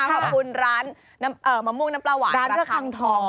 ขอบคุณร้านมะม่วงน้ำปลาหวานระคังทอง